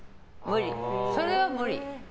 それは無理。